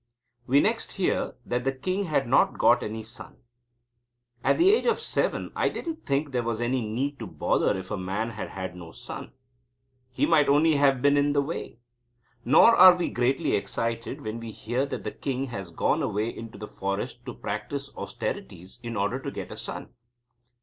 We next hear that the king had not got any son. At the age of seven I didn't think there was any need to bother if a man had had no son. He might only have been in the way. Nor are we greatly excited when we hear that the king has gone away into the forest to practise austerities in order to get a son.